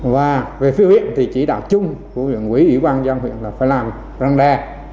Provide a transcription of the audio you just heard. và về phiêu hiện thì chỉ đạo chung của huyện quý ủy ban giam huyện là phải làm răng đe